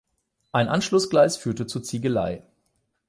Ein Anschlussgleis führte zur Ziegelei.